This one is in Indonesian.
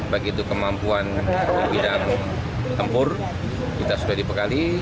begitu kemampuan bidang tempur kita sudah dibekali